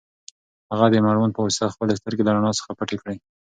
هغې د مړوند په واسطه خپلې سترګې له رڼا څخه پټې کړې.